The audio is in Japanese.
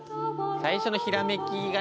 最初のひらめきがね